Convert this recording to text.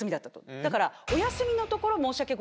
だから。